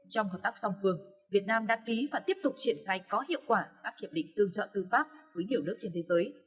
trong hợp tác song phương việt nam đã ký và tiếp tục triển khai có hiệu quả các hiệp định tương trợ tư pháp với nhiều nước trên thế giới